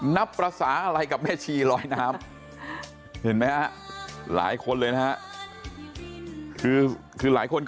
นับภาษาอะไรกับแม่ชีลอยน้ำเห็นไหมฮะหลายคนเลยนะฮะคือหลายคน